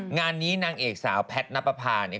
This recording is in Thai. งานนี้นางเอกสาวแพทนัปภาร์นี่